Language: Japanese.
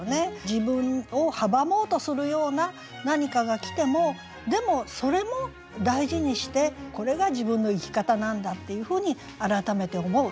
自分を阻もうとするような何かが来てもでもそれも大事にしてこれが自分の生き方なんだっていうふうに改めて思う。